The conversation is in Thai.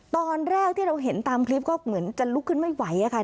ตอนแรกที่เราเห็นตามคลิปก็เหมือนจะลุกขึ้นไม่ไหวค่ะ